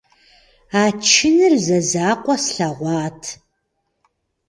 А чыныр зэзакъуэ слъэгъуат.